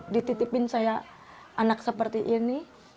dititipin saya anak seperti ini